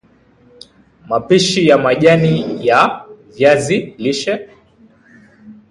Mapishi ya majani ya viazi lishe